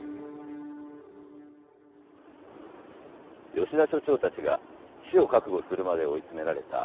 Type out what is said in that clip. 吉田所長たちが死を覚悟するまで追い詰められた２号機。